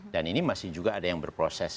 dan ini masih juga ada yang berproses